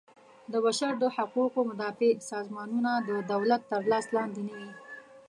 د بشر د حقوقو مدافع سازمانونه د دولت تر لاس لاندې نه وي.